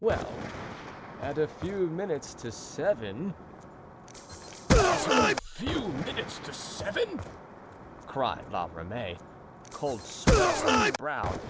Well, at a few minutes to seven——" "At a few minutes to seven?" cried La Ramee, cold sweat upon his brow.